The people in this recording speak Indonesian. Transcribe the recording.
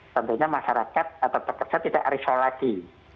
tentunya masyarakat atau pekerja tidak risau lagi